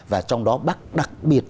và trong đó bác đặc biệt